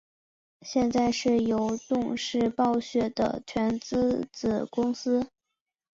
现在是由动视暴雪的全资子公司。